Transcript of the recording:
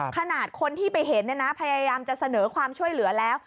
ขนาดคนที่ไปเห็นเนี่ยนะพยายามจะเสนอความช่วยเหลือแล้ว